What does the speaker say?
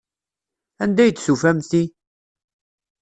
Anda ay d-tufam ti?